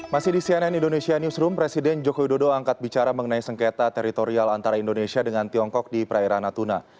masih di cnn indonesia newsroom presiden joko widodo angkat bicara mengenai sengketa teritorial antara indonesia dengan tiongkok di perairan natuna